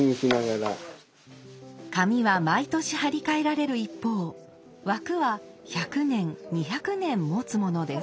紙は毎年貼り替えられる一方枠は１００年２００年もつものです。